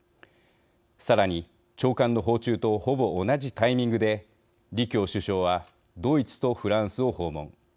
さらに長官の訪中とほぼ同じタイミングで李強首相はドイツとフランスを訪問。